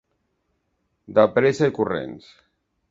De pressa i corrents.